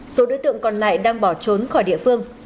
số đối tượng còn lại đang bỏ trốn khỏi địa phương